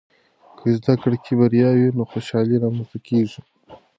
که زده کړه کې بریا وي، نو خوشحالۍ رامنځته کېږي.